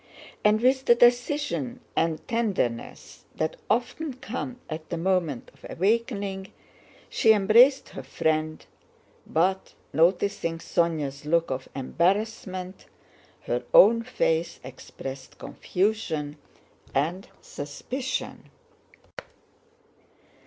And with the decision and tenderness that often come at the moment of awakening, she embraced her friend, but noticing Sónya's look of embarrassment, her own face expressed confusion and suspicion.